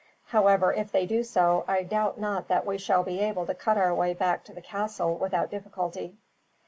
However, if they do so, I doubt not that we shall be able to cut our way back to the castle, without difficulty.